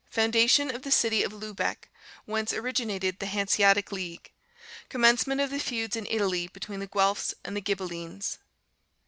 Foundation of the city of Lubeck, whence originated the Hanseatic League. Commencement of the feuds in Italy between the Guelphs and Ghibellines.